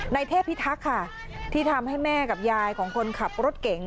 เทพิทักษ์ค่ะที่ทำให้แม่กับยายของคนขับรถเก่ง